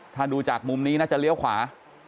ถ้าดูจากมุมนี้น่าจะเลี้ยวขวา